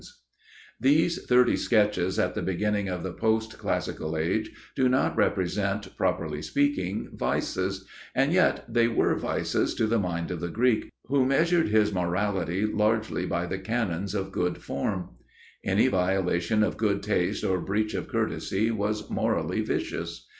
[Sidenote: Greek Notion of Vice] These thirty sketches at the beginning of the post classical age do not represent, properly speaking, vices, and yet they were vices to the mind of the Greek, who measured his morality largely by the canons of good form. Any violation of good taste or breach of courtesy was morally vicious.